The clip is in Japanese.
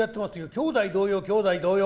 兄弟同様兄弟同様。